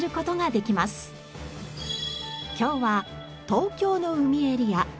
今日は東京の海エリア。